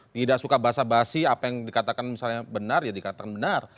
tidak suka basa basi apa yang dikatakan misalnya benar ya dikatakan benar